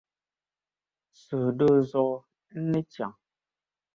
Suhudoo zuɣu, n ni chaŋ.